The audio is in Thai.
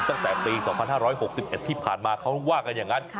ตั้งแต่ปี๒๕๖๑ที่ผ่านมาเขาว่ากันอย่างนั้น